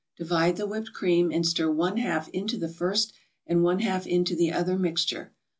Divide the whipped cream, and stir one half into the first and one half into the other mixture.